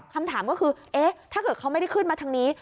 คำถามก็คือเอ๊ะถ้าเกิดเขาไม่ได้ขึ้นมาทางนี้